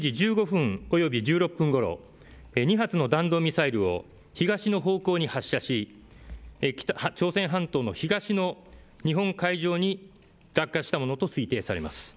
２発の弾道ミサイルを東の方向に発射し、朝鮮半島の東の日本の海上に落下したものと推定されます。